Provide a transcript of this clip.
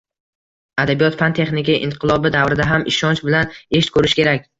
Adabiyot fan-texnika inqilobi davrida ham ishonch bilan ish ko`rish kerak